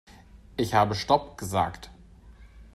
Ich habe stopp gesagt.